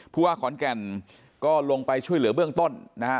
ว่าขอนแก่นก็ลงไปช่วยเหลือเบื้องต้นนะฮะ